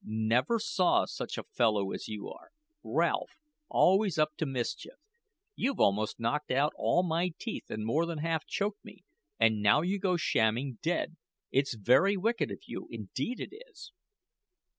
Never saw such a fellow as you are, Ralph always up to mischief. You've almost knocked out all my teeth and more than half choked me, and now you go shamming dead! It's very wicked of you, indeed it is."